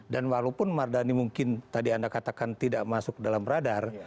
dan walaupun mardani mungkin tadi anda katakan tidak masuk dalam radar